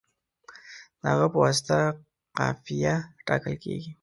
د هغه په واسطه قافیه ټاکل کیږي.